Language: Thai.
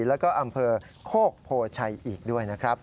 แล้วก็อำเภอโคกโพชัยอีกด้วยนะครับ